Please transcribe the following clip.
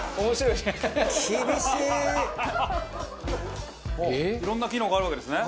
いろんな機能があるわけですね。